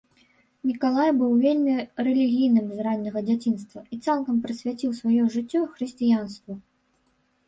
Мікалай быў вельмі рэлігійным з ранняга дзяцінства і цалкам прысвяціў сваё жыццё хрысціянству.